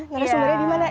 narasumbernya di mana